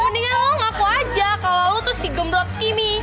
mendingan lo ngaku aja kalo lo tuh si gemrot kimi